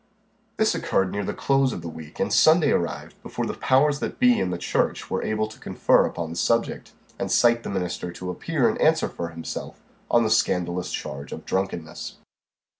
This occurred near the close of the week, and Sunday arrived before the powers that be in the church were able to confer upon the subject, and cite the minister to appear and answer for himself on the scandalous charge of drunkenness.